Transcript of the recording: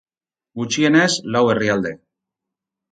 Gutxienez, lau herrialde.